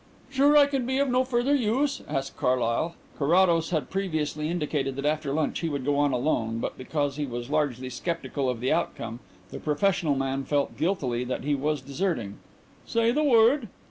"Sure I can be of no further use?" asked Carlyle. Carrados had previously indicated that after lunch he would go on alone, but, because he was largely sceptical of the outcome, the professional man felt guiltily that he was deserting. "Say the word?"